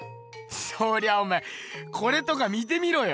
そりゃおめえこれとか見てみろよ。